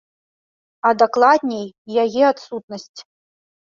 А дакладней, яе адсутнасць.